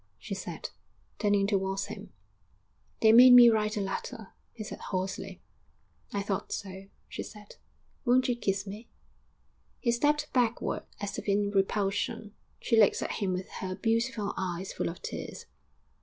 she said, turning towards him. 'They made me write the letter,' he said hoarsely. 'I thought so,' she said. 'Won't you kiss me?' He stepped back as if in replusion. She looked at him with her beautiful eyes full of tears.